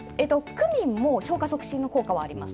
クミンも消化促進の効果があります。